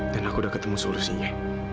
aku udah ketemu solusinya